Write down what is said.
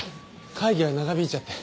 会議が長引いちゃって。